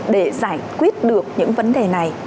để giải quyết được những vấn đề này